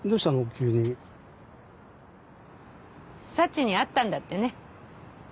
急にサチに会ったんだってね